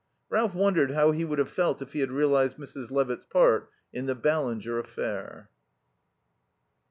Ralph wondered how he would have felt if he had realized Mrs. Levitt's part in the Ballinger affair.